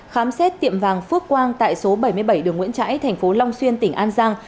khám xét tiệm vàng phước quang tại số bảy mươi bảy đường nguyễn trãi thành phố long xuyên tỉnh an giang